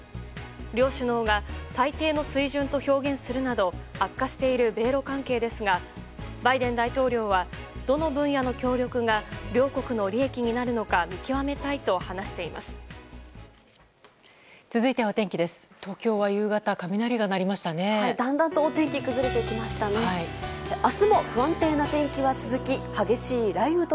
両首脳が最低の水準と表現するなど悪化している米露関係ですがバイデン大統領はどの分野の協力が両国の利益になるのか見極めたいと話しています。